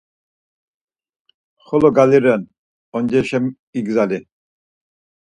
Xolo galiren, oncereşa igzali!